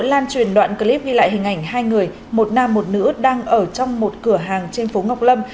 lan truyền đoạn clip ghi lại hình ảnh hai người một nam một nữ đang ở trong một cửa hàng trên phố ngọc lâm